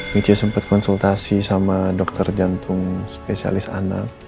micha sempat konsultasi sama dokter jantung spesialis anak